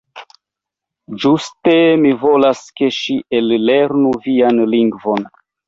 Ĝuste, mi volas, ke ŝi ellernu vian lingvon.